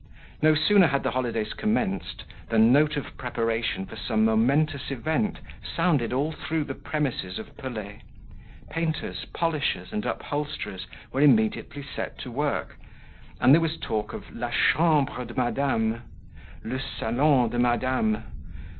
No sooner had the holidays commenced than note of preparation for some momentous event sounded all through the premises of Pelet: painters, polishers, and upholsterers were immediately set to work, and there was talk of "la chambre de Madame," "le salon de Madame."